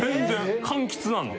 柑橘なんで。